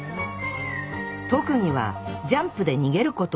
特技はジャンプで逃げること。